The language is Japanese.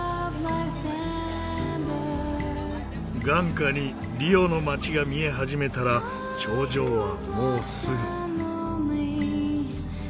眼下にリオの街が見え始めたら頂上はもうすぐ。